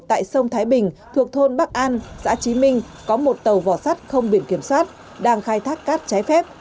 tại sông thái bình thuộc thôn bắc an xã trí minh có một tàu vỏ sắt không biển kiểm soát đang khai thác cát trái phép